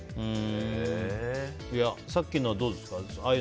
さっきのどうですか？